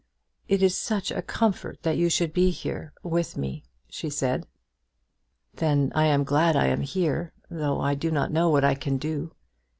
"It is such a comfort that you should be here with me," she said. "Then I am glad I am here, though I do not know what I can do.